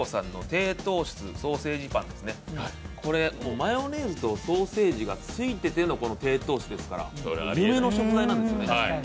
マヨネーズとソーセージがついてての低糖質ですから夢の食材なんですよね。